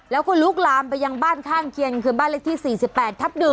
แล้วก็ลุกลามไปยังบ้านข้างเคียงคือบ้านเลขที่๔๘ทับ๑